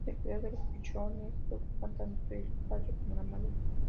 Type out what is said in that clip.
Del cuidado de los pichones se ocupan tanto el padre como la madre.